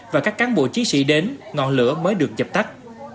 và các cán bộ chiến sĩ đến ngọn lửa mới được dập tắt